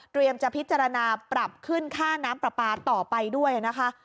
จะพิจารณาปรับขึ้นค่าน้ำปลาปลาต่อไปด้วยนะคะ